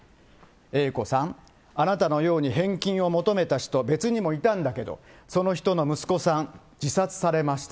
Ａ子さん、あなたのように返金を求めた人、別にもいたんだけど、その人の息子さん、自殺されました。